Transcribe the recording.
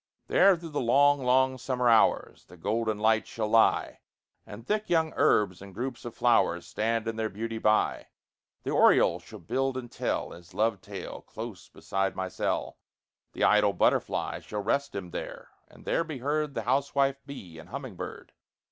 There through the long, long summer hours The golden light should lie, And thick young herbs and groups of flowers Stand in their beauty by; The oriole should build and tell His love tale close beside my cell; The idle butterfly Should rest him there, and there be heard The housewife bee and humming bird.